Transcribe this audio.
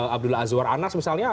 abdullah azwar anas misalnya